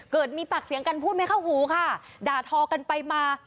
เกิดมีปากเสียงกันพูดไม่เข้าหูค่ะด่าทอกันไปมา